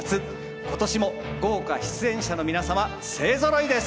今年も豪華出演者の皆様勢ぞろいです。